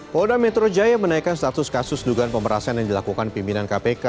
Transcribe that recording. polda metro jaya menaikkan status kasus dugaan pemerasan yang dilakukan pimpinan kpk